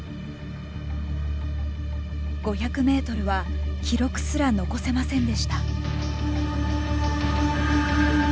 ５００ｍは記録すら残せませんでした。